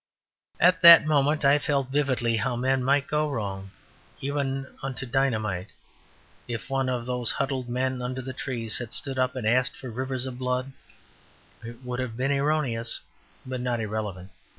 At that moment I felt vividly how men might go wrong, even unto dynamite. If one of those huddled men under the trees had stood up and asked for rivers of blood, it would have been erroneous but not irrelevant.